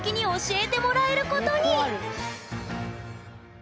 え！